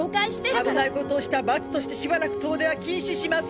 危ないことをした罰としてしばらく遠出は禁止します。